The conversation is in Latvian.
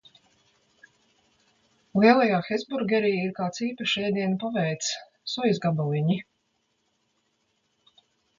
Lielajā Hesburgerī ir kāds īpašs ēdiena paveids - sojas gabaliņi.